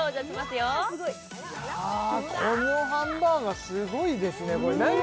よいやこのハンバーガーすごいですね何？